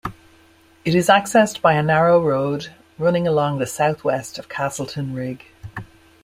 It is accessed by a narrow road running along the southwest of Castleton Rig.